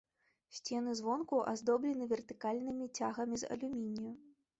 Сцены звонку аздоблены вертыкальнымі цягамі з алюмінію.